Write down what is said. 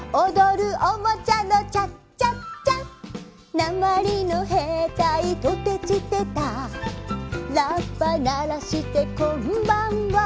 「なまりのへいたいトテチテタ」「ラッパならしてこんばんは」